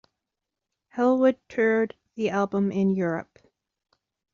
Hellwood toured the album in Europe.